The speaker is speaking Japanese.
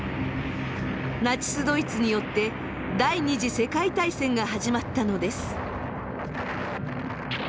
ナチス・ドイツによって第二次世界大戦が始まったのです。